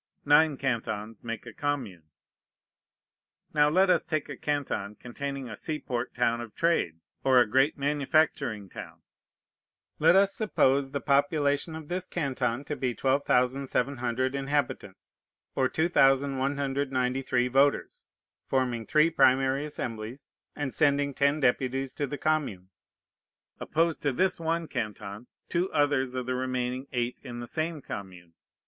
Nine cantons make a commune. Now let us take a canton containing a seaport town of trade, or a great manufacturing town. Let us suppose the population of this canton to be 12,700 inhabitants, or 2,193 voters, forming three primary assemblies, and sending ten deputies to the commune. Oppose to this one canton two others of the remaining eight in the same commune.